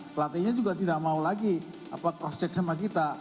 pelatihnya juga tidak mau lagi cross check sama kita